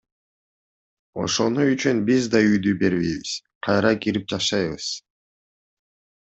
Ошону үчүн биз да үйдү бербейбиз, кайра кирип жашайбыз.